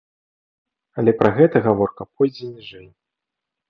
Але пра гэта гаворка пойдзе ніжэй.